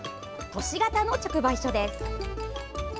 都市型の直売所です。